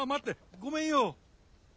ごめんよ！